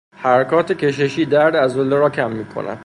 حرکات کششی درد عضله را کم می کند.